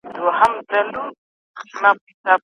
که برښنا نه وي نو بیا هم پر کاغذ لیکل کیدلای سي.